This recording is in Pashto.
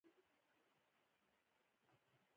د خپلو نیکونو له امتیازاتو محروم کړ.